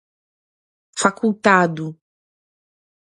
facultado